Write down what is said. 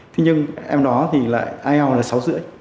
thế nhưng em đó thì là ielts là sáu năm